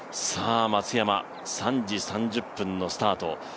松山、３時３０分のスタート。